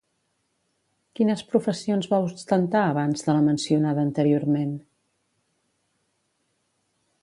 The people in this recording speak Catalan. Quines professions va ostentar abans de la mencionada anteriorment?